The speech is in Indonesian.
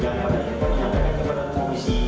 yang memadai kepolisian dengan kebenaran polisi